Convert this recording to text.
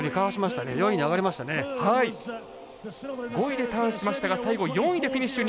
５位でターンしましたが最後４位でフィニッシュ。